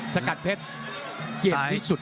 สกัดเพชรเก่งที่สุด